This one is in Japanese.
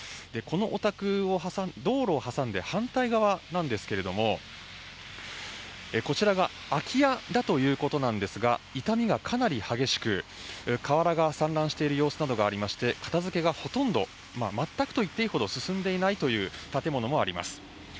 このお宅を挟む道路を挟んで反対側なんですけれどもこちらが空き家だということなんですが痛みがかなり激しく瓦が散乱している様子などがありまして片付けがほとんど全くといっていいほど進んでいないという建物もあります